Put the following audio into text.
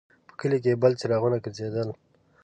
په کلي کې بل څراغونه ګرځېدل.